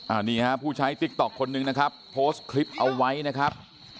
อันนี้ฮะผู้ใช้ติ๊กต๊อกคนหนึ่งนะครับโพสต์คลิปเอาไว้นะครับ